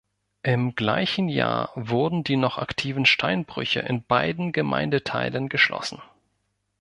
Im gleichen Jahr wurden die noch aktiven Steinbrüche in beiden Gemeindeteilen geschlossen.